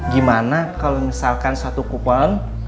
gimana kalau misalkan satu kupon